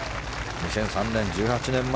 ２００３年、１８年前。